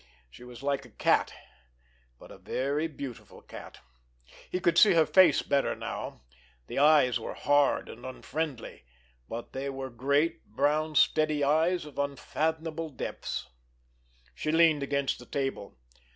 She was like a cat—but a very beautiful cat. He could see her face better now. The eyes were hard and unfriendly, but they were great, brown, steady eyes of unfathomable depths. She leaned against the table.